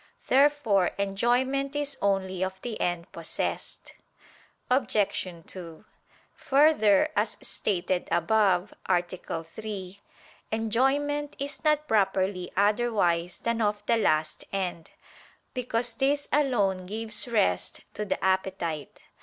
Therefore enjoyment is only of the end possessed. Obj. 2: Further, as stated above (A. 3), enjoyment is not properly otherwise than of the last end: because this alone gives rest to the appetite.